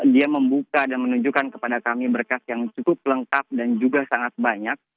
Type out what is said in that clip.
dia membuka dan menunjukkan kepada kami berkas yang cukup lengkap dan juga sangat banyak